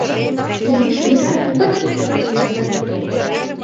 Изи шӱмжат - пырт-пырт-пырт.